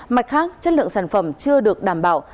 mặt khác chất lượng sản phẩm chưa được đảm bảo